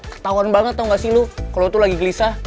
ketauan banget tau gak sih lo kalo tuh lagi gelisah